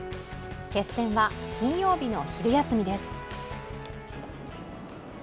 決戦は金曜日の昼休みです。